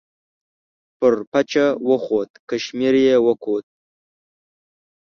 پر پچه وخوت کشمیر یې وکوت.